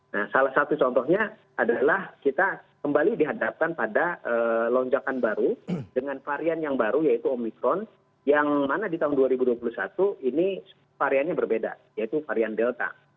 nah salah satu contohnya adalah kita kembali dihadapkan pada lonjakan baru dengan varian yang baru yaitu omikron yang mana di tahun dua ribu dua puluh satu ini variannya berbeda yaitu varian delta